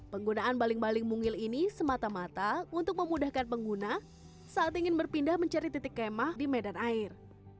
penggunaan baling baling mungil ini semata mata untuk memudahkan pengguna saat ingin berpindah mencari titik kemah di medan air